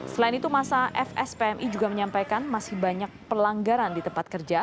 selain itu masa fspmi juga menyampaikan masih banyak pelanggaran di tempat kerja